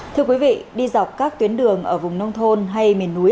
thưa quý vị đi dọc các tuyến đường ở vùng nông thôn hay miền núi